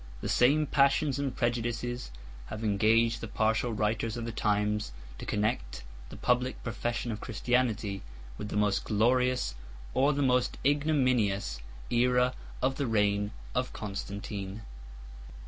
The same passions and prejudices have engaged the partial writers of the times to connect the public profession of Christianity with the most glorious or the most ignominious æra of the reign of Constantine.